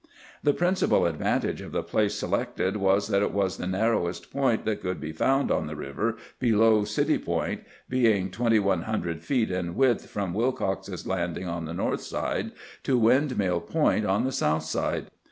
The principal advantage of the place selected was that it was the narrowest point that could be found on the river below City Point, being twenty one hundred feet in width from Wilcox's Landing on the north side to Windmill Point on the south side.